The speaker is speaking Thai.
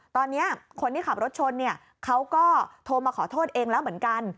ตอนนี้คนที่ขับรถชนเขาก็โทรมาขอโทษเองแล้วเหมือนกัน